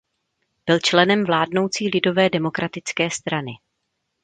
Byl členem vládnoucí Lidové demokratické strany.